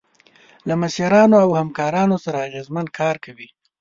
له مشرانو او همکارانو سره اغیزمن کار کوئ.